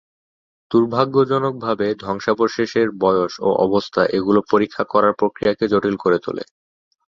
দূর্ভাগ্যজনকভাবে ধ্বংসাবশেষের বয়স ও অবস্থা এগুলো পরীক্ষা করার প্রক্রিয়াকে জটিল করে তোলে।